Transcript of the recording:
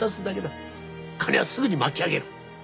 金はすぐに巻き上げる。